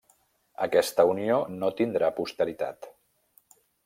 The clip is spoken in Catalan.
Aquesta unió no tindrà posteritat.